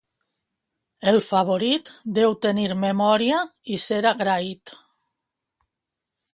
El favorit deu tenir memòria i ser agraït.